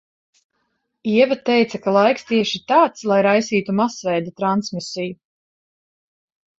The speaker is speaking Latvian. Ieva teica, ka laiks tieši tāds, lai raisītu masveida transmisiju.